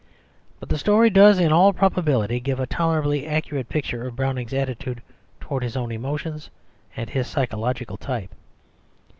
But the story does, in all probability, give a tolerably accurate picture of Browning's attitude towards his own emotions and his psychological type.